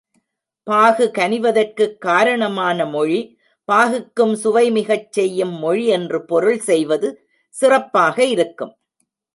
பாகு கனிவதற்குக் காரணமான மொழி, பாகுக்கும் சுவை மிகச் செய்யும் மொழி என்று பொருள் செய்வது சிறப்பாக இருக்கும்.